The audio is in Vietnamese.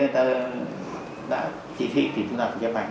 đã chỉ thị thì chúng ta phải chấp hành